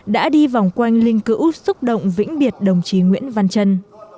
đã đi vòng quanh linh cữu xúc động vĩnh biệt đồng chí nguyễn văn trân